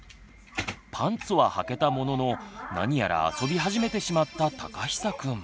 パンツははけたものの何やら遊び始めてしまったたかひさくん。